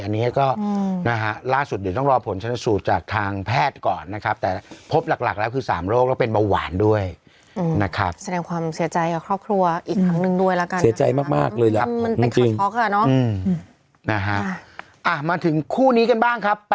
อันนี้ก็ล่าสุดเดี๋ยวต้องรอผลชนสูตรจากทางแพทย์ก่อนนะครับ